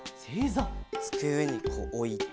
つくえにこうおいて。